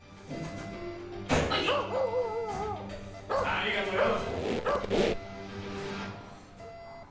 ありがとよ。